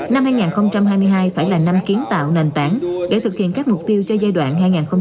năm hai nghìn hai mươi hai phải là năm kiến tạo nền tảng để thực hiện các mục tiêu cho giai đoạn hai nghìn hai mươi một hai nghìn ba mươi